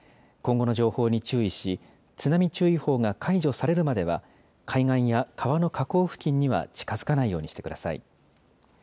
今後の情報に注意し、津波注意報が解除されるまでは、海岸や川の河口付近には近づかないようにしてください。